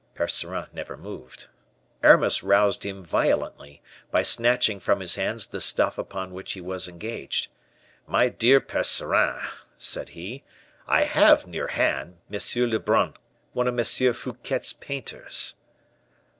Percerin never moved. Aramis roused him violently, by snatching from his hands the stuff upon which he was engaged. "My dear Percerin," said he, "I have, near hand, M. Lebrun, one of M. Fouquet's painters."